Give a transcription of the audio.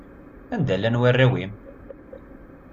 Anda llan warraw-nnem?